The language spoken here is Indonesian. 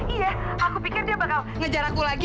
iya aku pikir dia bakal ngejar aku lagi